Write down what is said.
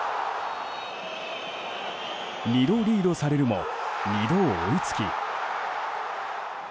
２度リードされるも２度追いつき。